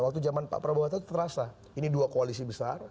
waktu zaman pak prabowo tadi terasa ini dua koalisi besar